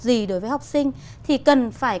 gì đối với học sinh thì cần phải